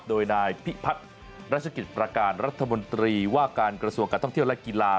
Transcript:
โดยนายพิพัฒน์รัชกิจประการรัฐมนตรีว่าการกระทรวงการท่องเที่ยวและกีฬา